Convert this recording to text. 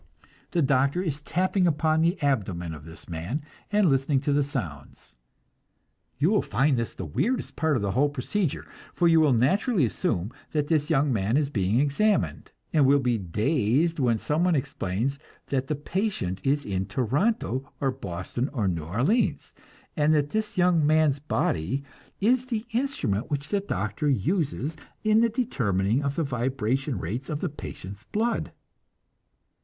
The doctor is tapping upon the abdomen of this man, and listening to the sounds. You will find this the weirdest part of the whole procedure, for you will naturally assume that this young man is being examined, and will be dazed when some one explains that the patient is in Toronto or Boston or New Orleans, and that this young man's body is the instrument which the doctor uses in the determining of the vibration rates of the patient's blood.